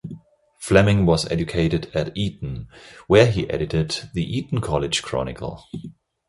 Fleming was educated at Eton, where he edited the "Eton College Chronicle".